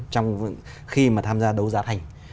trong khi mà tham gia đấu giá thành